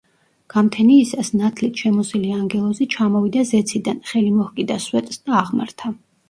გამთენიისას ნათლით შემოსილი ანგელოზი ჩამოვიდა ზეციდან, ხელი მოჰკიდა სვეტს და აღმართა.